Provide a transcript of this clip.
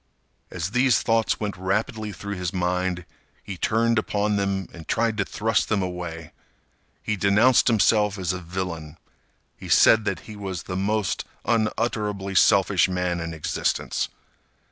As these thoughts went rapidly through his mind, he turned upon them and tried to thrust them away. He denounced himself as a villain. He said that he was the most unutterably selfish man in existence.